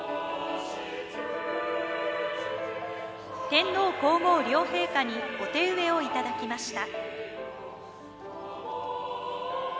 天皇皇后両陛下にお手植えをいただきました。